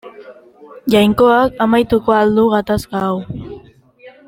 Jainkoak amaituko al du gatazka hau.